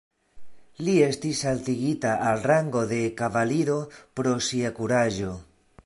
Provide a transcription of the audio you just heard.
Li estis altigita al rango de kavaliro pro sia kuraĝo.